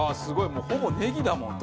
もうほぼネギだもんね。